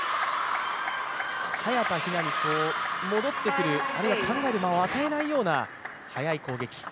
早田ひなに戻ってくる、あるいは考える間を与えないような速い攻撃。